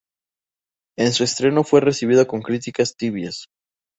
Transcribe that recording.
En su estreno fue recibido con críticas tibias.